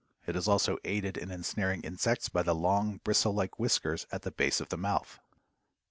It is also aided in ensnaring insects by the long, bristle like whiskers at the base of the mouth.